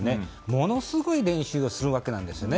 ものすごい練習をするわけなんですよね。